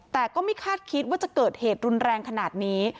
แต่ก็ไม่คาดคิดว่าจะเกิดเหตุรุนแรงขนาดนี้